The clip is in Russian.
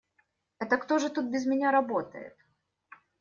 Это кто же тут без меня работает?